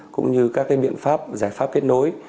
cũng như các biện pháp giải pháp kết nối